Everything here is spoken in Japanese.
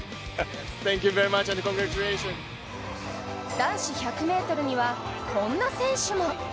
男子１００ｍには、こんな選手も。